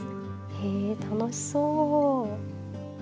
へえ楽しそう。